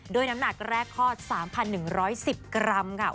น้ำหนักแรกคลอด๓๑๑๐กรัมค่ะ